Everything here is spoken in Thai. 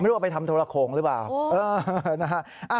ไม่รู้ว่าไปทำโทรโครงหรือเปล่า